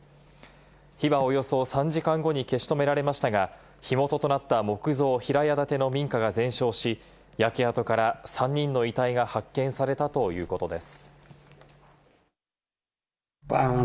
火はおよそ３時間後に消し止められましたが、火元となった木造平屋建ての民家が全焼し、焼け跡から３人の遺体が発見されたということです。